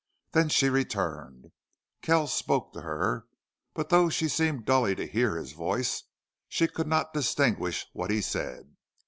Then she returned. Kells spoke to her, but, though she seemed dully to hear his voice, she could not distinguish what he said.